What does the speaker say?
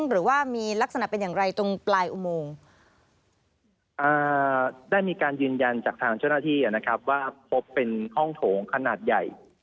หรือว่ามีลักษณะเป็นอย่างไรตรงปลายอุโมงได้มีการยืนยันจากทางเจ้าหน้าที่นะครับว่าพบเป็นห้องโถงขนาดใหญ่